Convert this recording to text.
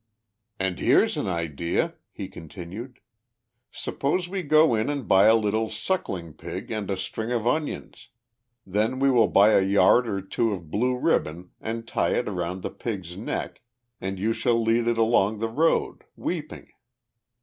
"And here's an idea," he continued. "Suppose we go in and buy a little suckling pig and a string of onions. Then we will buy a yard of two of blue ribbon and tie it round the pig's neck, and you shall lead it along the road, weeping.